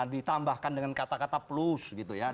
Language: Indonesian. ditambahkan dengan kata kata plus